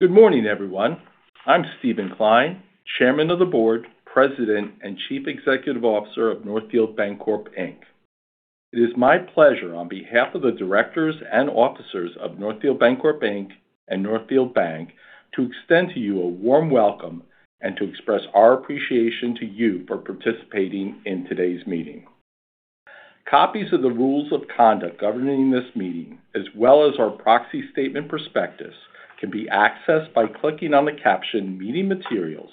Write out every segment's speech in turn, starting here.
Good morning, everyone. I'm Steven Klein, Chairman of the Board, President, and Chief Executive Officer of Northfield Bancorp, Inc. It is my pleasure, on behalf of the directors and officers of Northfield Bancorp Bank and Northfield Bank, to extend to you a warm welcome and to express our appreciation to you for participating in today's meeting. Copies of the rules of conduct governing this meeting, as well as our proxy statement prospectus, can be accessed by clicking on the caption Meeting Materials,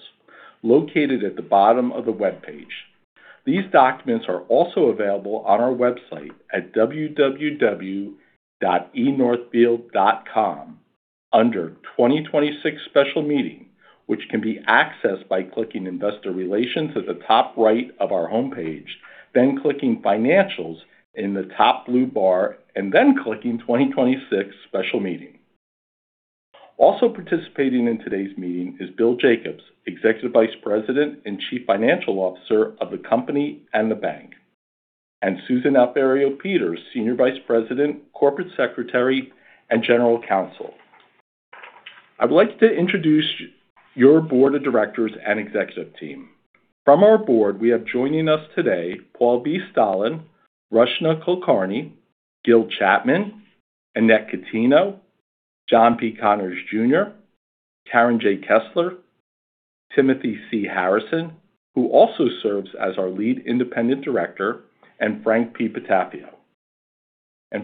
located at the bottom of the webpage. These documents are also available on our website at www.enorthfield.com under 2026 Special Meeting, which can be accessed by clicking Investor Relations at the top right of our homepage, clicking Financials in the top blue bar, and clicking 2026 Special Meeting. Also participating in today's meeting is Bill Jacobs, Executive Vice President and Chief Financial Officer of the company and the bank, and Susan Aufiero-Peters, Senior Vice President, Corporate Secretary, and General Counsel. I would like to introduce your board of directors and executive team. From our board, we have joining us today Paul V. Stahlin, Rachna Kulkarni, Gil Chapman, Annette Catino, John P. Connors Jr., Karen J. Kessler, Timothy C. Harrison, who also serves as our Lead Independent Director, Frank P. Patafio.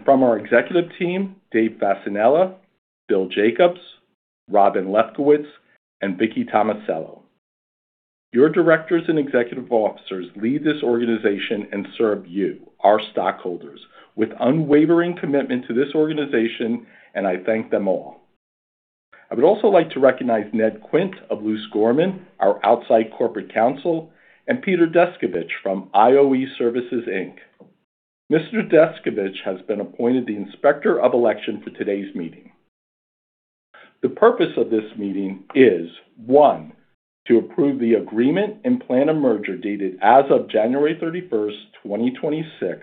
From our executive team, David Fasanella, William Jacobs, Robin Lefkowitz, and Vickie Tomasello. Your directors and executive officers lead this organization and serve you, our stockholders, with unwavering commitment to this organization, I thank them all. I would also like to recognize Ned Quint of Luse Gorman, our outside corporate counsel, and Peter Deskovich from IVS Associates, Inc. Mr. Deskovich has been appointed the Inspector of Election for today's meeting. The purpose of this meeting is, one, to approve the agreement and plan of merger dated as of January 31st, 2026,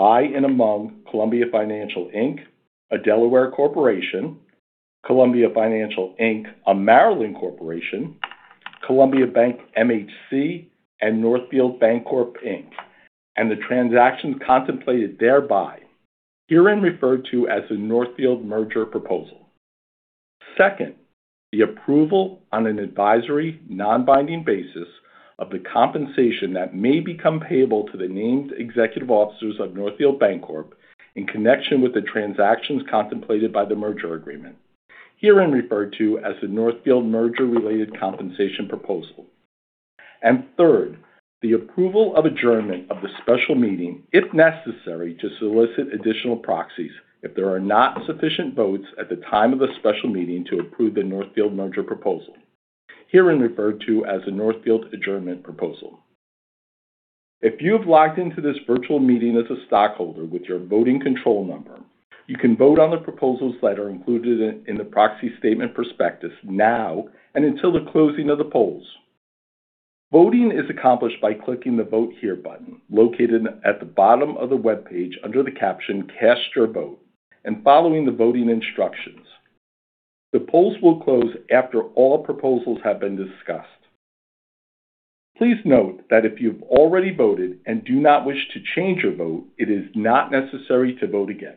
by and among Columbia Financial, Inc., a Delaware corporation, Columbia Financial, Inc., a Maryland corporation, Columbia Bank MHC, and Northfield Bancorp, Inc., and the transactions contemplated thereby, herein referred to as the Northfield Merger Proposal. Second, the approval on an advisory, non-binding basis of the compensation that may become payable to the named executive officers of Northfield Bancorp in connection with the transactions contemplated by the merger agreement, herein referred to as the Northfield Merger-Related Compensation Proposal. Third, the approval of adjournment of the special meeting, if necessary, to solicit additional proxies if there are not sufficient votes at the time of the special meeting to approve the Northfield Merger Proposal, herein referred to as the Northfield Adjournment Proposal. If you have logged into this virtual meeting as a stockholder with your voting control number, you can vote on the proposals that are included in the proxy statement prospectus now and until the closing of the polls. Voting is accomplished by clicking the Vote Here button located at the bottom of the webpage under the caption Cast Your Vote and following the voting instructions. The polls will close after all proposals have been discussed. Please note that if you've already voted and do not wish to change your vote, it is not necessary to vote again.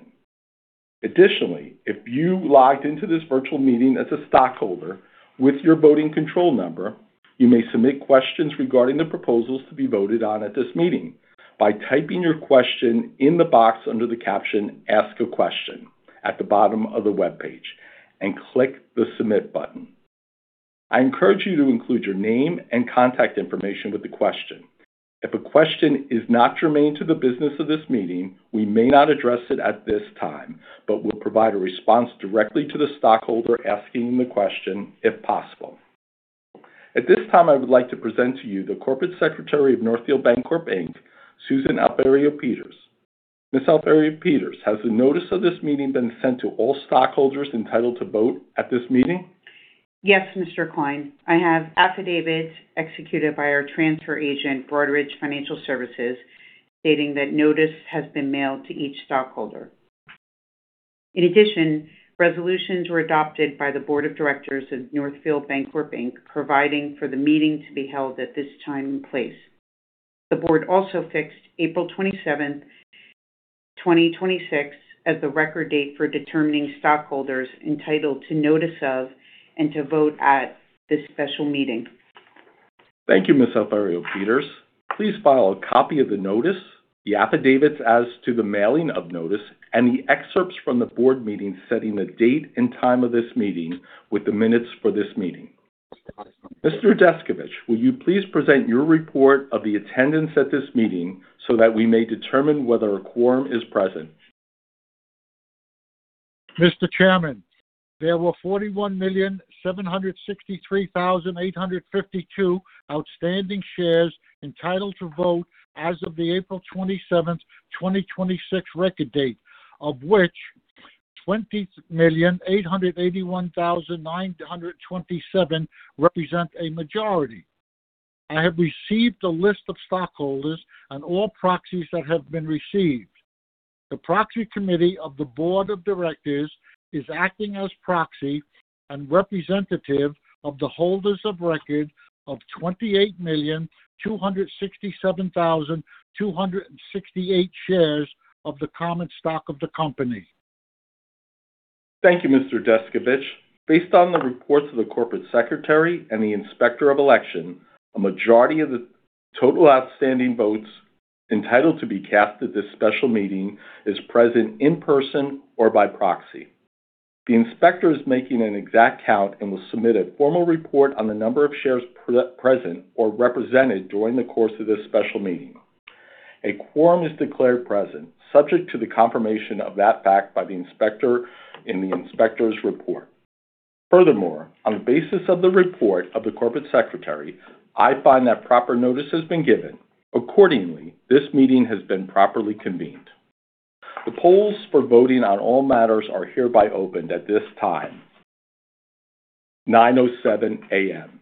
Additionally, if you logged into this virtual meeting as a stockholder with your voting control number, you may submit questions regarding the proposals to be voted on at this meeting by typing your question in the box under the caption Ask a Question at the bottom of the webpage and click the Submit button. I encourage you to include your name and contact information with the question. If a question is not germane to the business of this meeting, we may not address it at this time, but will provide a response directly to the stockholder asking the question if possible. At this time, I would like to present to you the Corporate Secretary of Northfield Bancorp, Inc., Susan Aufiero-Peters. Ms. Aufiero-Peters, has the notice of this meeting been sent to all stockholders entitled to vote at this meeting? Yes, Mr. Klein. I have affidavits executed by our transfer agent, Broadridge Financial Solutions, Inc., stating that notice has been mailed to each stockholder. In addition, resolutions were adopted by the Board of Directors of Northfield Bancorp, Inc. providing for the meeting to be held at this time and place. The board also fixed April 27, 2026, as the record date for determining stockholders entitled to notice of and to vote at this special meeting. Thank you, Ms. Aufiero-Peters. Please file a copy of the notice, the affidavits as to the mailing of notice, and the excerpts from the board meeting setting the date and time of this meeting with the minutes for this meeting. Mr. Deskovich, will you please present your report of the attendance at this meeting so that we may determine whether a quorum is present? Mr. Chairman, there were 41,763,852 outstanding shares entitled to vote as of the April 27th, 2026, record date, of which 20,881,927 represent a majority. I have received a list of stockholders and all proxies that have been received. The proxy committee of the board of directors is acting as proxy and representative of the holders of record of 28,267,268 shares of the common stock of the company. Thank you, Mr. Deskovich. Based on the reports of the Corporate Secretary and the Inspector of Election, a majority of the total outstanding votes entitled to be cast at this special meeting is present in person or by proxy. The Inspector is making an exact count and will submit a formal report on the number of shares present or represented during the course of this special meeting. A quorum is declared present, subject to the confirmation of that fact by the Inspector in the Inspector's report. Furthermore, on the basis of the report of the Corporate Secretary, I find that proper notice has been given. Accordingly, this meeting has been properly convened. The polls for voting on all matters are hereby opened at this time, 9:07 A.M.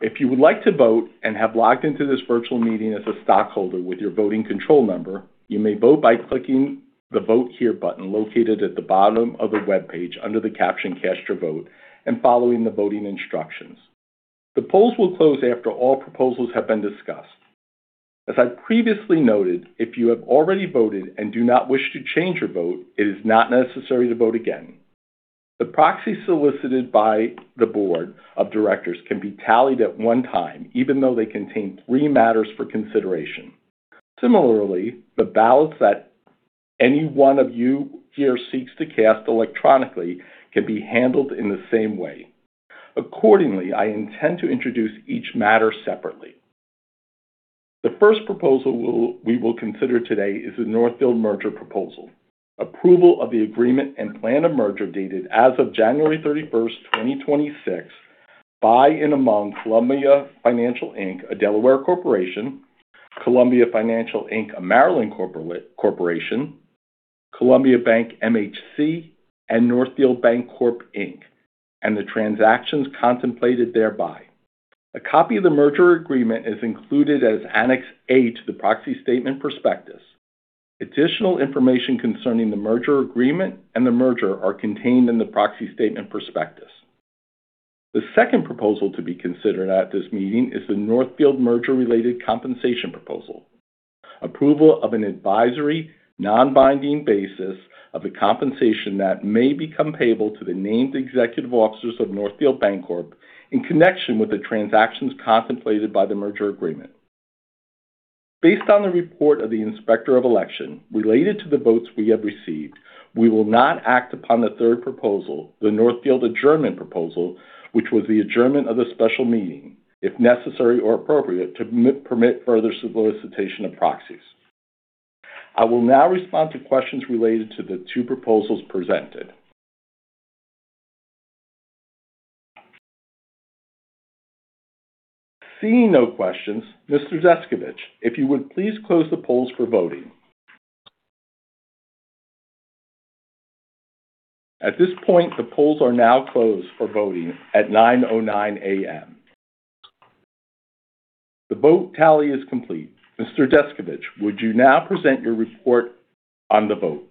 If you would like to vote and have logged into this virtual meeting as a stockholder with your voting control number, you may vote by clicking the Vote Here button located at the bottom of the webpage under the caption, Cast Your Vote, and following the voting instructions. The polls will close after all proposals have been discussed. As I previously noted, if you have already voted and do not wish to change your vote, it is not necessary to vote again. The proxy solicited by the Board of Directors can be tallied at one time, even though they contain three matters for consideration. Similarly, the ballots that any one of you here seeks to cast electronically can be handled in the same way. Accordingly, I intend to introduce each matter separately. The first proposal we will consider today is the Northfield Merger Proposal. Approval of the agreement and plan of merger dated as of January thirty-first, 2026 by and among Columbia Financial, Inc., a Delaware corporation, Columbia Financial, Inc., a Maryland corporation, Columbia Bank MHC, and Northfield Bancorp, Inc., and the transactions contemplated thereby. A copy of the merger agreement is included as Annex A to the proxy statement prospectus. Additional information concerning the merger agreement and the merger are contained in the proxy statement prospectus. The second proposal to be considered at this meeting is the Northfield Merger-Related Compensation Proposal. Approval of an advisory, non-binding basis of the compensation that may become payable to the named Executive Officers of Northfield Bancorp in connection with the transactions contemplated by the merger agreement. Based on the report of the Inspector of Election related to the votes we have received, we will not act upon the third proposal, the Northfield Adjournment Proposal, which was the adjournment of the special meeting, if necessary or appropriate, to permit further solicitation of proxies. I will now respond to questions related to the two proposals presented. Seeing no questions, Mr. Deskovich, if you would please close the polls for voting. At this point, the polls are now closed for voting at 9:09 A.M. The vote tally is complete. Mr. Deskovich, would you now present your report on the vote?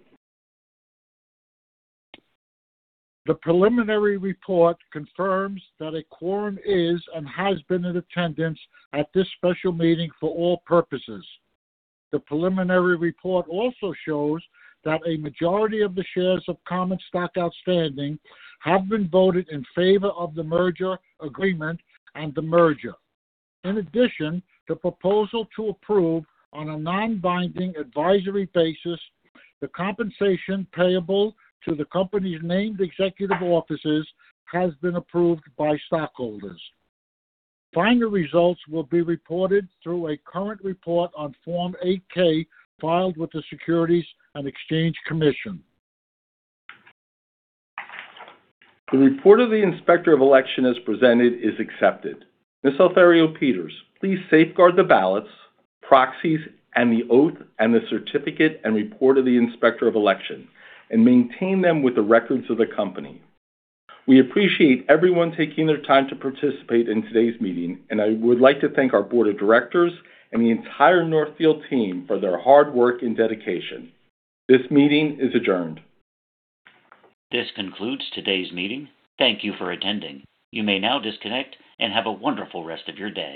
The preliminary report confirms that a quorum is and has been in attendance at this special meeting for all purposes. The preliminary report also shows that a majority of the shares of common stock outstanding have been voted in favor of the merger agreement and the merger. In addition, the proposal to approve on a non-binding advisory basis the compensation payable to the company's named executive officers has been approved by stockholders. Final results will be reported through a current report on Form 8-K filed with the Securities and Exchange Commission. The report of the Inspector of Election, as presented, is accepted. Ms. Susan Aufiero-Peters, please safeguard the ballots, proxies, and the oath and the certificate and report of the Inspector of Election, and maintain them with the records of the company. We appreciate everyone taking their time to participate in today's meeting. I would like to thank our board of directors and the entire Northfield team for their hard work and dedication. This meeting is adjourned. This concludes today's meeting. Thank you for attending. You may now disconnect and have a wonderful rest of your day.